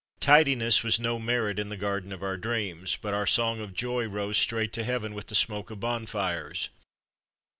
Tidiness was no merit in the garden of our dreams, but our song of joy rose straight to heaven with the smoke of bonfires.